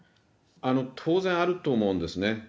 当然あると思うんですね。